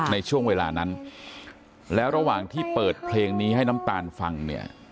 ในช่วงเวลานั้นแล้วระหว่างที่เปิดเพลงนี้ให้น้ำตาลฟังเนี่ย